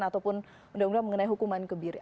ataupun undang undang mengenai hukuman kebiri